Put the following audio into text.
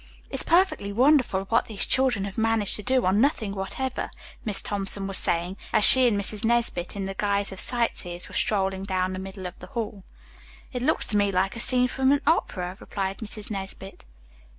"It's perfectly wonderful what these children have managed to do on nothing whatever," Miss Thompson was saying, as she and Mrs. Nesbit, in the guise of sightseers, were strolling down the middle of the hall. "It looks to me like a scene from an opera," replied Mrs. Nesbit.